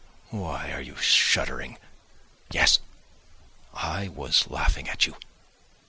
Why are you shuddering? Yes, I was laughing at you!